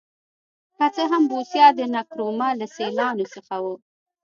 که څه هم بوسیا د نکرومه له سیالانو څخه و.